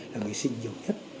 là người sinh nhiều nhất